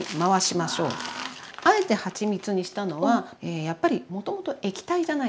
あえてはちみつにしたのはやっぱりもともと液体じゃないですか。